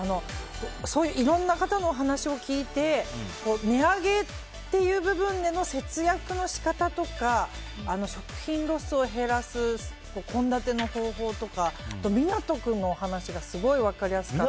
いろんな方のお話を聞いて値上げという部分での節約の仕方とか食品ロスを減らす献立の方法とかあと、湊君のお話がすごく分かりやすかった。